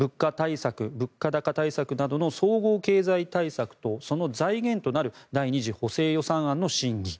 物価高対策などの総合経済対策とその財源となる第２次補正予算案の審議。